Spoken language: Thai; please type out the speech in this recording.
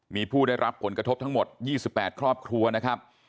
มีผู้ได้รับผลกระทบทั้งหมด๒๘ครอบครัวนะครับ